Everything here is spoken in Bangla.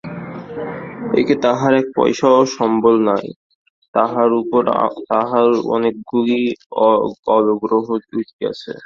একে তাহার এক পয়সার সম্বল নাই, তাহার উপর তাহার অনেকগুলি গলগ্রহ জুটিয়াছে।